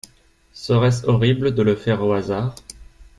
Serait-ce horrible de le faire au hasard?